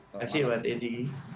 terima kasih pak dedy